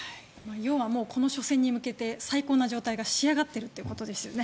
要はこの初戦に向けて最高の状態が仕上がっているということですよね。